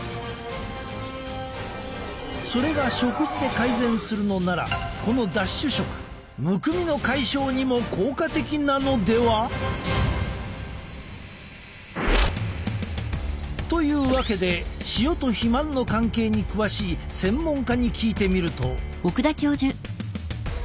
それが食事で改善するのならこのダッシュ食むくみの解消にも効果的なのでは？というわけで塩と肥満の関係に詳しい専門家に聞いてみると。